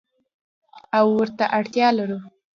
او ورته اړتیا لرو.